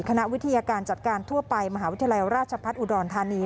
คณะวิทยาการจัดการทั่วไปมหาวิทยาลัยราชพัฒน์อุดรธานี